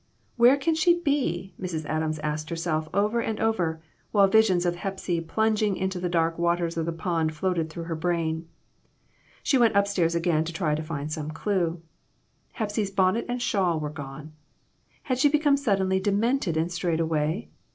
"Where can she be?" Mrs. Adams asked her self over and over, while visions of Hepsy plung ing into the dark waters of the pond floated through her brain. She went up stairs again to try to find some clue. Hepsy's bonnet and shawl were gone. Had she become suddenly demented ,and strayed away?